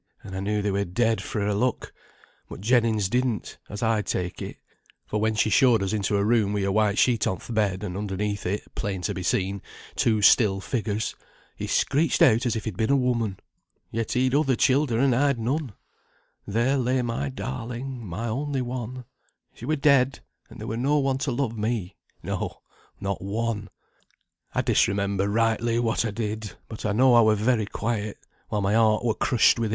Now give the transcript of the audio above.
and I knew they were dead, fra' her look; but Jennings didn't, as I take it; for when she showed us into a room wi' a white sheet on th' bed, and underneath it, plain to be seen, two still figures, he screeched out as if he'd been a woman. "Yet he'd other childer and I'd none. There lay my darling, my only one. She were dead, and there were no one to love me, no, not one. I disremember rightly what I did; but I know I were very quiet, while my heart were crushed within me.